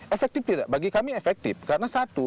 efektif tidak bagi kami efektif karena satu